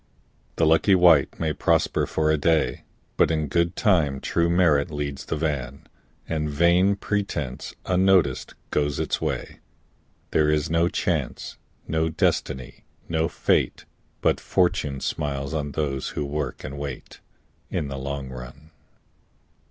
The lucky wight may prosper for a day, But in good time true merit leads the van And vain pretence, unnoticed, goes its way. There is no Chance, no Destiny, no Fate, But Fortune smiles on those who work and wait, In the long run.